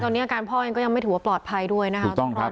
ตอนนี้อาการพ่อเองก็ยังไม่ถือว่าปลอดภัยด้วยนะครับ